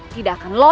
tidak akan lompat